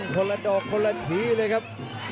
คนละดอกคนละทีเลยครับ